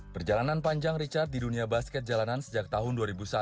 perjalanan panjang richard di dunia basket jalanan sejak tahun dua ribu satu